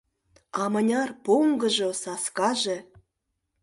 А мыняр поҥгыжо, саскаже!